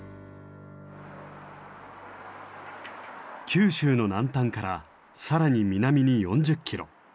九州の南端から更に南に４０キロ。